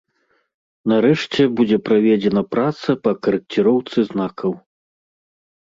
Нарэшце, будзе праведзена праца па карэкціроўцы знакаў.